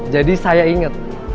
jadi saya inget